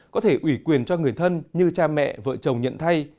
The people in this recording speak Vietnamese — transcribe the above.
có thể ủy quyền cho người thân như cha mẹ vợ chồng nhận thay